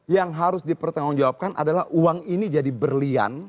yang harus dipertanggung jawabkan adalah uang ini jadi berlian